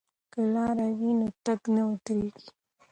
که لاره وي نو تګ نه ودریږي.